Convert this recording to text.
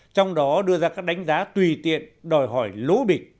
trong đó đưa ra các đánh giá tùy tiện đòi hỏi lố bịch